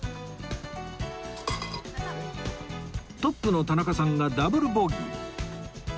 トップの田中さんがダブルボギー